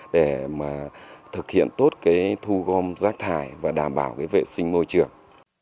để thực hiện tốt thu gom rác thải và đảm bảo vệ sinh môi trường